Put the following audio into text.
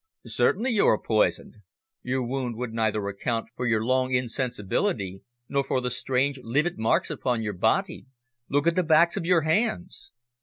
"Certainly you are poisoned. Your wound would neither account for your long insensibility nor for the strange, livid marks upon your body. Look at the backs of your hands!"